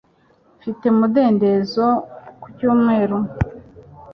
Mfite umudendezo ku cyumweru